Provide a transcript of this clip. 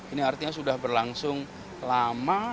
ini artinya sudah berlangsung lama